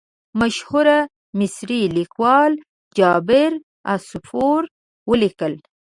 مشهور مصري لیکوال جابر عصفور ولیکل.